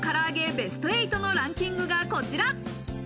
ベスト８のランキングがこちら。